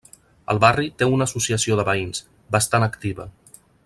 El barri té una associació de veïns, bastant activa.